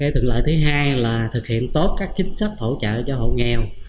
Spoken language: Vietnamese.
thuận lợi thứ hai là thực hiện tốt các chính sách hỗ trợ cho hộ nghèo